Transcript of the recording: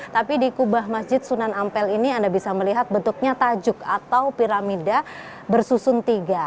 tapi di kubah masjid sunan ampel ini anda bisa melihat bentuknya tajuk atau piramida bersusun tiga